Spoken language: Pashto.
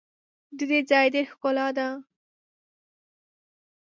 د دې ځای ډېر ښکلا دي.